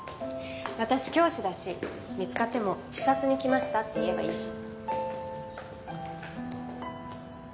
私教師だし見つかっても「視察に来ました」って言えばいいし。